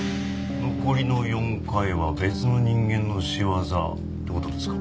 残りの４回は別の人間の仕業って事ですか？